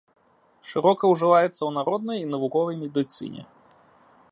Шырока ўжываецца ў народнай і навуковай медыцыне.